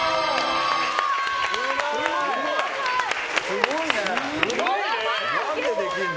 すごいね！